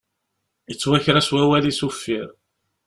Yettwaker-as wawal-is uffir.